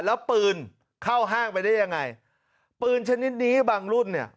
แล้วปืนเข้าห้างไปได้ยังไงปืนชนิดนี้บางรุ่นเนี่ย